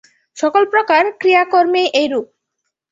সকলপ্রকার ক্রিয়াকর্মেই এইরূপ।